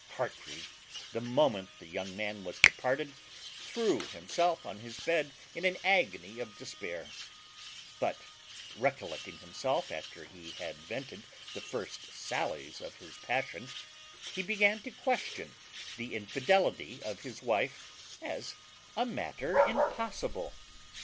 Heartfree, the moment the young man was departed, threw himself on his bed in an agony of despair; but, recollecting himself after he had vented the first sallies of his passion, he began to question the infidelity of his wife as a matter impossible.